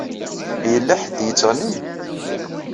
Yella ḥedd i yettɣennin.